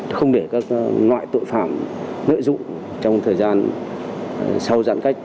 không để các loại tội phạm lợi dụng trong thời gian sau giãn cách